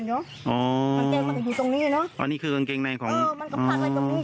อังเกงมันก็อยู่ตรงนี้เนอะอ๋อนี่คืออังเกงแม่ของเออ